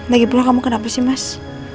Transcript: lagi pula kamu kenapa sih mas